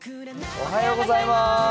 おはようございます！